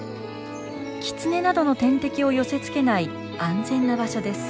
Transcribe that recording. キツネなどの天敵を寄せつけない安全な場所です。